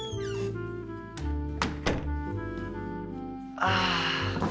ああ。